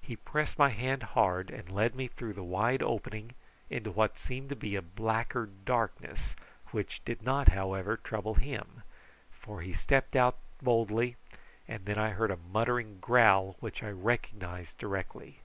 He pressed my hand hard and led me through the wide opening into what seemed to be a blacker darkness, which did not, however, trouble him, for he stepped out boldly, and then I heard a muttering growl which I recognised directly.